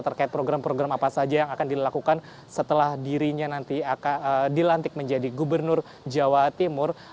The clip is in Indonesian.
terkait program program apa saja yang akan dilakukan setelah dirinya nanti akan dilantik menjadi gubernur jawa timur